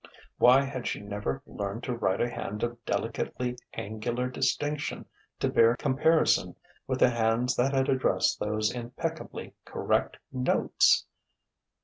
Why had she never learned to write a hand of delicately angular distinction to bear comparison with the hands that had addressed those impeccably "correct" notes?...